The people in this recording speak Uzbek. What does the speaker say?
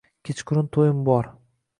Kechkurun to`yim bor